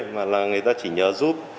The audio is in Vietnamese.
mà là người ta chỉ nhớ giúp